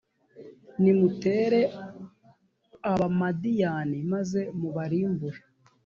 nimutere abamadiyani maze mubarimbure.